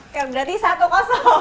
berarti satu kosong